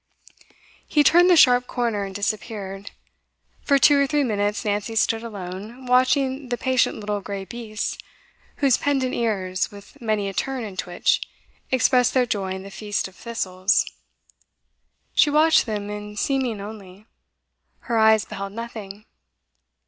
He turned the sharp corner, and disappeared. For two or three minutes Nancy stood alone, watching the patient little grey beasts, whose pendent ears, with many a turn and twitch, expressed their joy in the feast of thistles. She watched them in seeming only; her eyes beheld nothing.